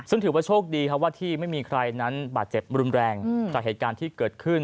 ซึ่งถือว่าโชคดีครับว่าที่ไม่มีใครนั้นบาดเจ็บรุนแรงจากเหตุการณ์ที่เกิดขึ้น